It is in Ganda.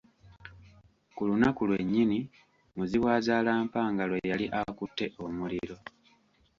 Ku lunaku lwennyini Muzibwazaalampanga lwe yali akutte omuliro